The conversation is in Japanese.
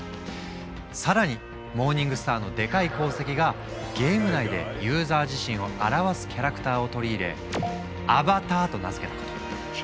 更にモーニングスターのでかい功績がゲーム内でユーザー自身を表すキャラクターを取り入れアバターと名付けたこと。